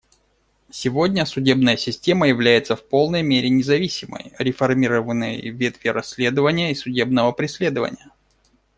Сегодня судебная система является в полной мере независимой; реформированы ветви расследования и судебного преследования.